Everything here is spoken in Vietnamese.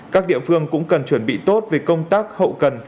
các địa phương cũng cần chuẩn bị tốt về công tác hậu cần